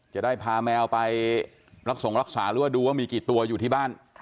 จะได้พาแมวไปรับส่งรักษาหรือว่าดูว่ามีกี่ตัวอยู่ที่บ้าน